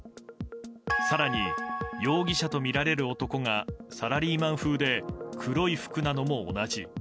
更に、容疑者とみられる男がサラリーマン風で黒い服なのも同じ。